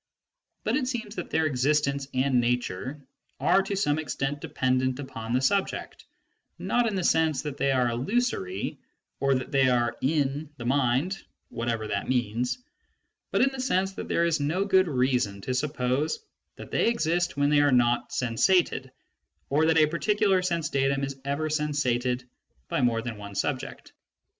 But it seems that their existence and nature are to some extent dependent upon the subject, not in the sense that they are illusory, or that they are " in " the mind (whatever that means), but in the sense that there is no good reason to suppose that they exist when they are not sensated, or that a particular sense datum is ever sensated by more than one subject.